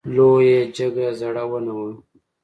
لویه جګه زړه ونه وه .